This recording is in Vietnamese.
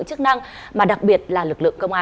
thắng vậy là đủ rồi